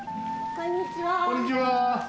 こんにちは。